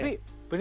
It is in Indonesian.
tapi bener ya